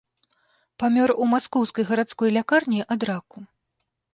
Памёр у маскоўскай гарадской лякарні ад раку.